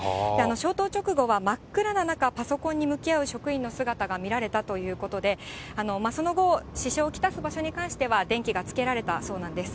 消灯直後は真っ暗な中、パソコンに向き合う職員の姿が見られたということで、その後、支障を来す場所に関しては電気がつけられたそうなんです。